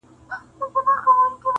شیخه چي په شک مي درته وکتل معذور یمه!!